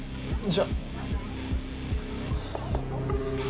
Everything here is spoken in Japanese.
じゃあ。